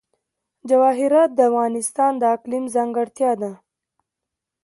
جواهرات د افغانستان د اقلیم ځانګړتیا ده.